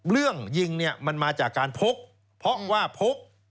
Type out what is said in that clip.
เรื่องยิงเนี่ยมันมาจากการพกเพราะว่าพก